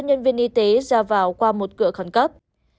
nhân viên y tế ra vào qua một cửa khẩn cấp